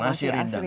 masih asli ya